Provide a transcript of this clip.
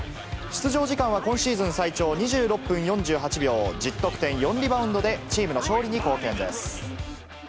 出場時間は今シーズン最長２６分４８秒、１０得点４リバウンドでチームの勝利に貢献です。